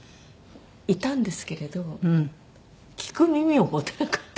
いたんですけれど聞く耳を持たなかった。